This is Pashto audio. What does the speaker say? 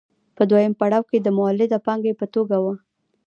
په دویم پړاو کې د مولده پانګې په توګه وه